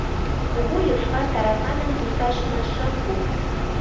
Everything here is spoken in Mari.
Кугу йошкар тараканым пушташ мый шым пу.